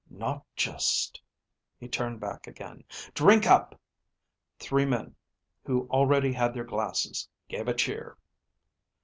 Not just ..." He turned back again. "Drink up!" Three men who already had their glasses gave a cheer.